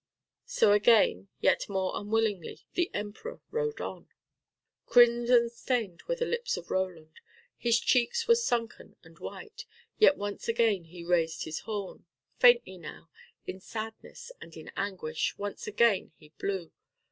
So again, yet more unwillingly, the Emperor rode on. Crimson stained were the lips of Roland. His cheeks were sunken and white, yet once again he raised his horn. Faintly now, in sadness and in anguish, once again he blew.